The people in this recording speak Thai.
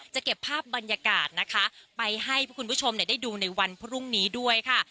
เก็บภาพบรรยากาศนะคะไปให้คุณผู้ชมได้ดูในวันพรุ่งนี้ด้วยค่ะ